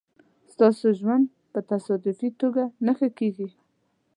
ستاسو ژوند په تصادفي توگه نه ښه کېږي